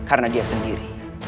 karena dia sendiri